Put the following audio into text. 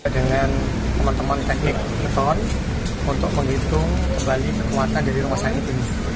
dengan teman teman teknik beton untuk menghitung kembali penguatan dari rumah sakit ini